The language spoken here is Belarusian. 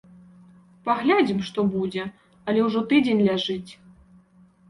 Паглядзім, што будзе, але ўжо тыдзень ляжыць.